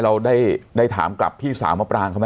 เราได้ถามกับพี่สาวมะปราง